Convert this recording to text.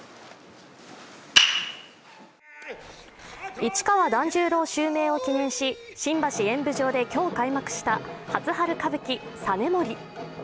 市川團十郎襲名を記念し、新橋演舞場で今日開幕した初春歌舞伎「ＳＡＮＥＭＯＲＩ」。